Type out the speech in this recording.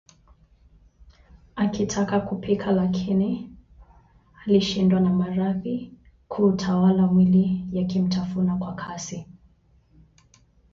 akitaka kupika lakini alishindwa na maradhi kuutawala mwili yakimtafuna kwa kasi